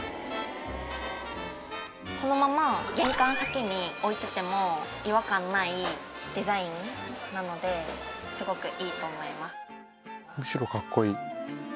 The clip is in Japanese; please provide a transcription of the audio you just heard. このまま玄関先に置いてても違和感ないデザインなのですごくいいと思います。